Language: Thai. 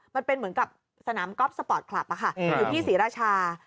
มันเป็นเหมือนกับสนามกอล์ฟสปอร์ตคลับอยู่ที่ศรีราชา